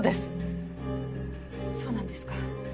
そうなんですか。